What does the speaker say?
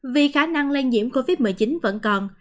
vì khả năng lây nhiễm covid một mươi chín vẫn còn